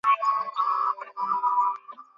আচ্ছা, ধরো।